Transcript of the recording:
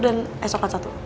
dan es soket satu